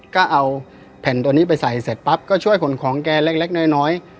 ก็เอาแผ่นตัวนี้ไปใส่เสร็จปั๊บก็ช่วยขนของแกเล็กน้อย